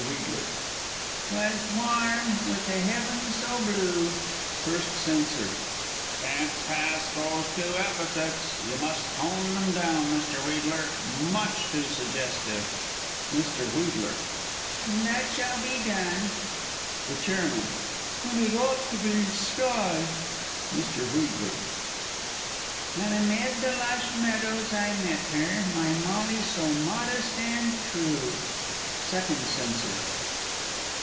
W._ "'Twas warm, with a heaven so blue." First Censor. Can't pass those two epithets you must tone them down, Mr. Wheedler much too suggestive! Mr. W. That shall be done. The Chairman. And it ought to be "sky." Mr. W. "When amid the lush meadows I met her, My Molly, so modest and true!" _Second Censor.